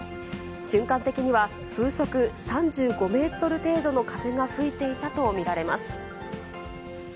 瞬間的には風速３５メートル程度の風が吹いていたと見られます。